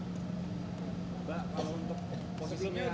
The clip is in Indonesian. mbak kalau untuk posisinya